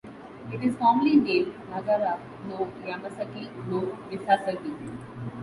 It is formally named "Nagara no Yamasaki no misasagi".